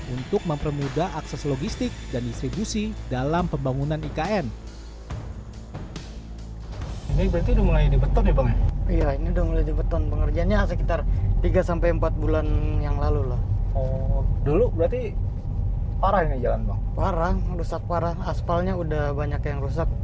untuk mempermudah akses logistik dan distribusi dalam pembangunan ikn